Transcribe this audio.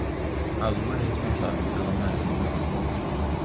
A lua é responsável pela maré do mar.